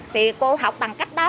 thì cô học bằng cách đó